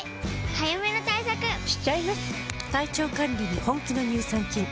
早めの対策しちゃいます。